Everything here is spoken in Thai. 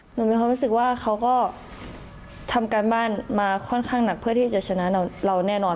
มีความรู้สึกว่าเขาก็ทำการบ้านมาค่อนข้างหนักเพื่อที่จะชนะเราแน่นอน